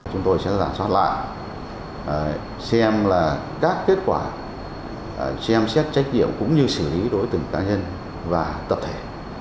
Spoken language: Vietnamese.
chúng tôi sẽ giả soát lại xem là các kết quả xem xét trách nhiệm cũng như xử lý đối tượng cá nhân và tập thể